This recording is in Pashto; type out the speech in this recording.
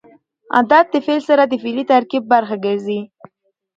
عدد د فعل سره د فعلي ترکیب برخه ګرځي.